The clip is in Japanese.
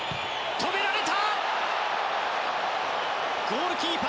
止められた！